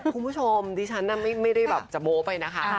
คุณผู้ชมที่ฉันไม่ได้แบบจะโบ้ไปนะคะ